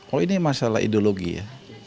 oh ini masalah ideologi ya